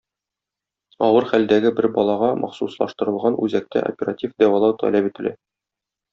Авыр хәлдәге бер балага махсуслаштырылган үзәктә оператив дәвалау таләп ителә.